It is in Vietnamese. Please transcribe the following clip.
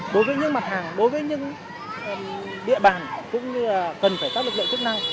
đối với những mặt hàng đối với những địa bàn cũng như là cần phải các lực lượng chức năng